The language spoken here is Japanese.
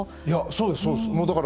そうです、そうです。